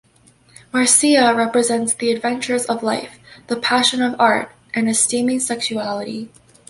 Marcia represents the adventures of life, the passion of art and a steaming sexuality.